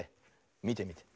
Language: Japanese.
みてみて。